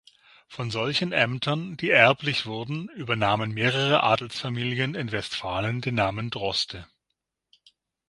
Von solchen Ämtern, die erblich wurden, übernahmen mehrere Adelsfamilien in Westfalen den Namen Droste.